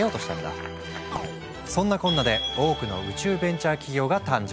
そんなこんなで多くの宇宙ベンチャー企業が誕生。